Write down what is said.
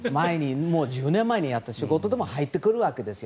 １０年前にやった仕事でも入ってくるんですよ。